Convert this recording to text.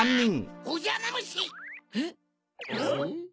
うん！